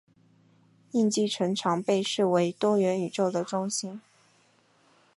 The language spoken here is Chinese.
印记城常被视为多元宇宙的中心。